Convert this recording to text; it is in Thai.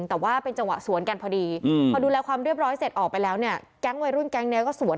ที่ทุกคนมาเป็นจังหวะสวนกันพอดีพอดูแลความเรียบร้อยเสร็จออกไปแล้วเนี่ย